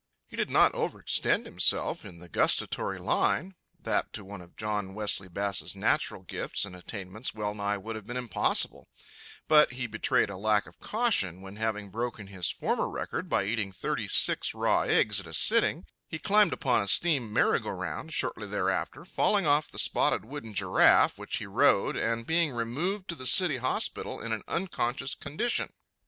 He did not overextend himself in the gustatory line that to one of John Wesley Bass' natural gifts and attainments well nigh would have been impossible; but he betrayed a lack of caution when, having broken his former record by eating thirty six raw eggs at a sitting, he climbed upon a steam merry go round, shortly thereafter falling off the spotted wooden giraffe which he rode, and being removed to the city hospital in an unconscious condition.